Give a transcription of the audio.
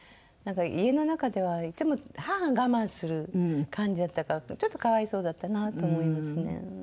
なんか家の中ではいつも母が我慢する感じだったからちょっと可哀想だったなと思いますね。